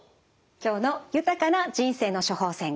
今日の「豊かな人生の処方せん」